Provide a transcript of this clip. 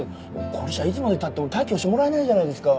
これじゃいつまで経っても退去してもらえないじゃないですか！